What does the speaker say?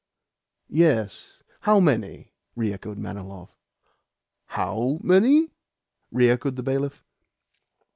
"Yes; how many?" re echoed Manilov. "HOW many?" re echoed the bailiff.